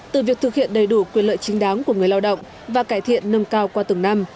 từ việc thực hiện đầy đủ quyền lợi chính đáng của người lao động và cải thiện nâng cao qua từng năm